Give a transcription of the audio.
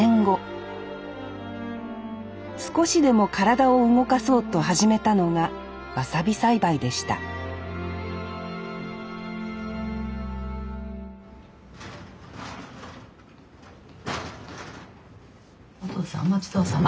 少しでも体を動かそうと始めたのがわさび栽培でしたお父さんおまちどおさま。